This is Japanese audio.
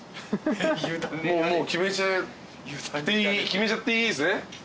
決めちゃっていいですね？